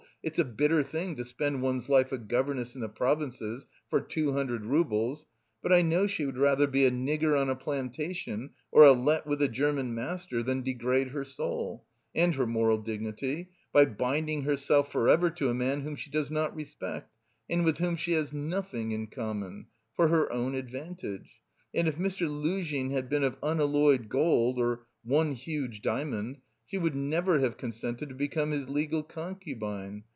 It's a bitter thing to spend one's life a governess in the provinces for two hundred roubles, but I know she would rather be a nigger on a plantation or a Lett with a German master than degrade her soul, and her moral dignity, by binding herself for ever to a man whom she does not respect and with whom she has nothing in common for her own advantage. And if Mr. Luzhin had been of unalloyed gold, or one huge diamond, she would never have consented to become his legal concubine.